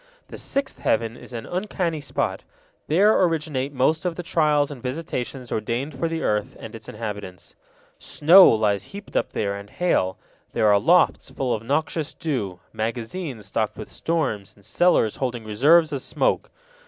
The sixth heaven is an uncanny spot; there originate most of the trials and visitations ordained for the earth and its inhabitants. Snow lies heaped up there and hail; there are lofts full of noxious dew, magazines stocked with storms, and cellars holding reserves of smoke.